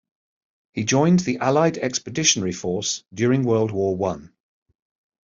He joined the Allied Expeditionary Force during World War One.